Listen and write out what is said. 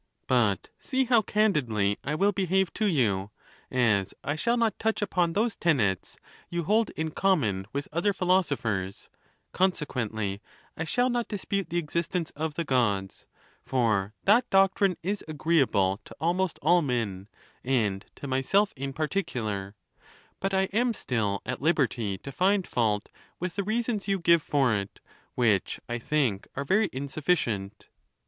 But see how candidly I will behave to you : as I shall not touch upon those tenets you hold in common with other philoso phers, consequently I shall not dispute the existence of the Gods, for that doctrine is agreeable to almost all men, and to myself in particular; but I am still at liberty to find fault with the reasons yon give for it, which I think are very insuificient.